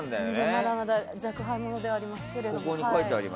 まだまだ若輩者ではありますけれども。